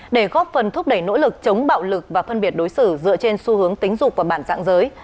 để góp phần thúc đẩy nỗ lực chống bạo lực và phân biệt đối xử dựa trên xu hướng tính dục và bản dạng giới